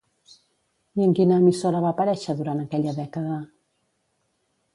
I en quina emissora va aparèixer durant aquella dècada?